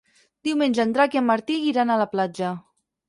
Diumenge en Drac i en Martí iran a la platja.